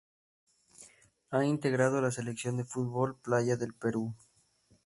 Ha integrado la selección de fútbol playa del Perú.